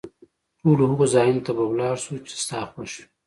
ټولو هغو ځایونو ته به ولاړ شو، چي ستا خوښ وي.